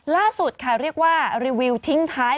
ล่าสุดค่ะเรียกว่ารีวิวทิ้งท้าย